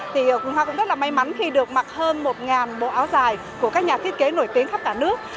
thì hoa cũng rất là may mắn khi được mặc hơn một bộ áo dài của các nhà thiết kế nổi tiếng khắp cả nước